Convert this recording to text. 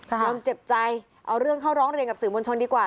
ยอมเจ็บใจเอาเรื่องเข้าร้องเรียนกับสื่อมวลชนดีกว่า